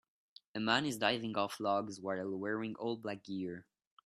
A man is diving off logs while wearing all black gear